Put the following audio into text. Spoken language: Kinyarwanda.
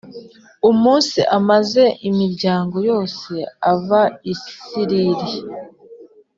Umunsi ameza imiryango yose ava i Nsiriri